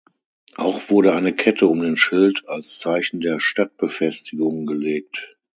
Auch wurde eine Kette um den Schild als Zeichen der Stadtbefestigung gelegt.